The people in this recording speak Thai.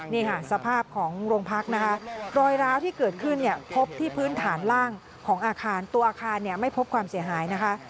นี่ค่ะสภาพของโรงพักนะคะรอยร้าวที่เกิดขึ้นเนี่ยพบที่พื้นฐานล่างของอาคารตัวอาคารเนี่ยไม่พบความเสียหายนะคะ